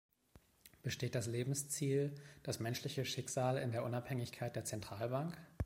Besteht das Lebensziel, das menschliche Schicksal in der Unabhängigkeit der Zentralbank?